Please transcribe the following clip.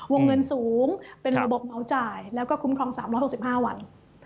วงเงินสูงเป็นระบบเหมาจ่ายแล้วก็คุ้มครอง๓๖๕วัน